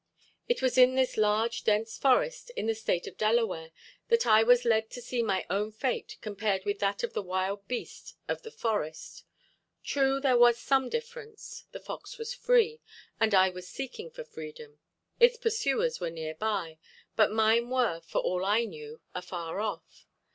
It was in this large, dense forest, in the State of Delaware, that I was led to see my own fate compared with that of the wild beast of the forest. True, there was some difference; the fox was free, and I was seeking for freedom; its pursuers were near by, but mine were, for all I knew, afar off.